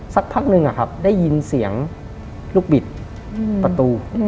สักพักนึงอะครับได้ยินเสียงลูกบิดประตู